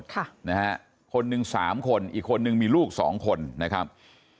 คนหนึ่งสามคนอีกคนหนึ่งมีลูกสองคนนะครับ